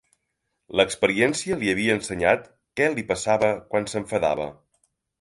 L'experiència li havia ensenyat què li passava quan s'enfadava.